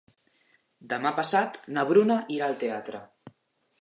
Demà passat na Bruna irà al teatre.